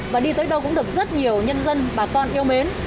và đi tới đâu cũng được rất nhiều nhân dân bà con yêu mến